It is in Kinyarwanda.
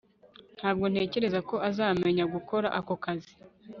Ntabwo ntekereza ko azamenya gukora ako kazi